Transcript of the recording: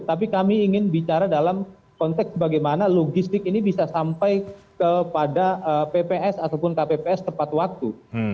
tapi kami ingin bicara dalam konteks bagaimana logistik ini bisa sampai kepada pps ataupun kpps tepat waktu